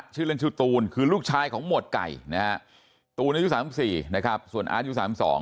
ชื่อเล่นชื่อตูนคือลูกชายของหมวดไก่ตูนอยู่๓๔ส่วนอาร์ทอยู่๓๒